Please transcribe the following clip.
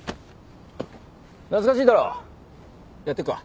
懐かしいだろやってくか？